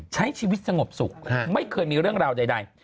ใช้ชีวิตสงบสุขไม่เคยมีเรื่องราวใด